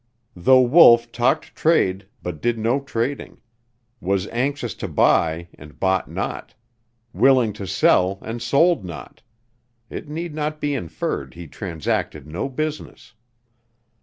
Though Wolf talked trade, but did no trading; was anxious to buy, and bought not; willing to sell and sold not; it need not be inferred he transacted no business.